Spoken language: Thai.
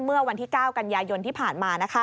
เมื่อวันที่๙กันยายนที่ผ่านมา